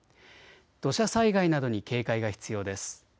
土砂災害などに警戒が必要です。